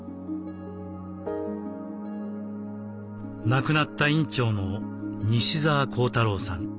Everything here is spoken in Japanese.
亡くなった院長の西澤弘太郎さん。